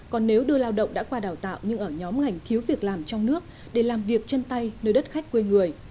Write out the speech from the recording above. còn nếu đưa lao động đã qua đào tạo nhưng ở nhóm ngành thiếu việc làm trong nước để làm việc chân tay nơi đất khách quê người